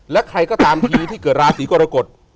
และใครก็ตามทีวีที่เกิดราศีกรกฎ